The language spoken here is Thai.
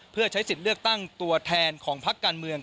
เพื่อใช้สิทธิ์เลือกตั้งตัวแทนของพักการเมือง